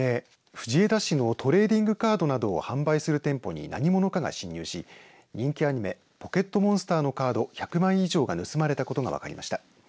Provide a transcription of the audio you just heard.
藤枝市のトレーディングカードなどを販売する店舗に何者かが侵入し人気アニメポケットモンスターのカード１００枚以上が盗まれたことが分かりました。